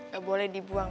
gak boleh dibuang